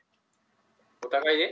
お互いで？